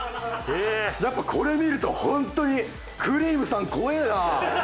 やっぱこれ見るとホントにくりぃむさん怖えな！